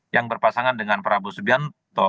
yang berpasangan dengan prabowo subianto